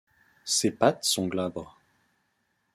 Ses pattes sont glabres.